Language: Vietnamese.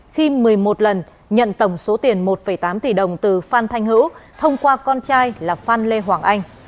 khi một mươi một lần nhận tổng số tiền một tám tỷ đồng từ phan thanh hữu thông qua con trai là phan lê hoàng anh